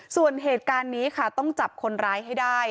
ส่วนเหตุการณ์นี้ค่ะต้องจับคนร้ายให้ได้